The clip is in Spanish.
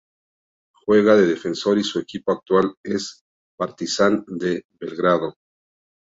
Juega de defensor y su equipo actual es Partizan de Belgrado.